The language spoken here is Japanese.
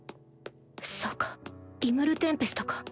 そうかリムル＝テンペストか